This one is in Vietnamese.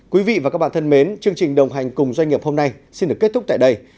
quý vị và các bạn thân mến chương trình đồng hành cùng doanh nghiệp hôm nay xin được kết thúc tại đây